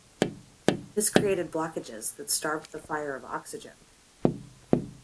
This created blockages that starved the fire of oxygen.